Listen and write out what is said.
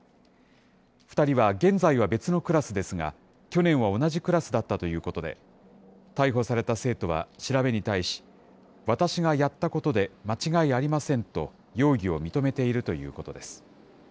２人は現在は別のクラスですが、去年は同じクラスだったということで、逮捕された生徒は調べに対し、私がやったことで間違いありませんと容疑を認めているということです。